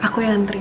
aku yang nganterin